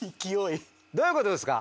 どういうことですか？